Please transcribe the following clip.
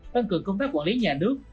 tăng cường công tác quản lý nhà nước